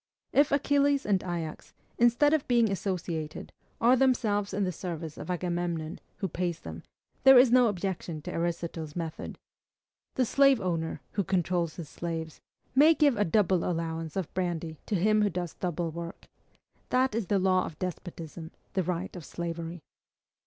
If Achilles and Ajax, instead of being associated, are themselves in the service of Agamemnon who pays them, there is no objection to Aristotle's method. The slave owner, who controls his slaves, may give a double allowance of brandy to him who does double work. That is the law of despotism; the right of slavery.